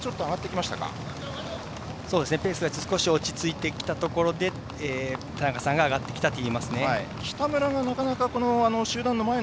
ペースが落ち着いてきたところで田中さんが上がってきた感じです。